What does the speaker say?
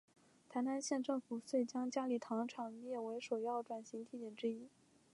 台南县政府遂将佳里糖厂列为首要转型地点之一。